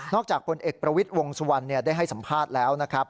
จากผลเอกประวิทย์วงสุวรรณได้ให้สัมภาษณ์แล้วนะครับ